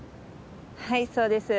はいそうです。